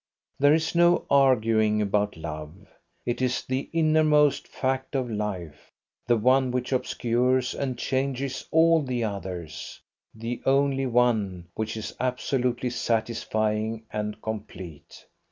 There is no arguing about love. It is the innermost fact of life the one which obscures and changes all the others, the only one which is absolutely satisfying and complete.